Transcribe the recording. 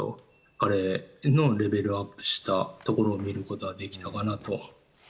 彼のレベルアップしたところを見ることができたかなと。